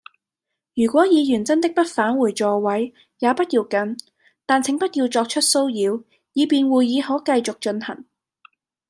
如果議員真的不返回座位，也不要緊，但請不要作出騷擾，以便會議可繼續進行。